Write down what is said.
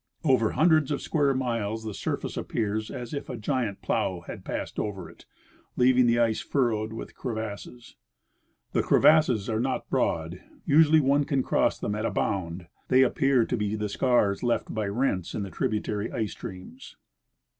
Over hundreds of square miles the surface appears as if a giant plow had passed over it, leaving the ice furrowed with crevasses. The crevasses are not broad ; usually one can cross them at a bound. They appear to be the scars left by rents in the tributary ice streams.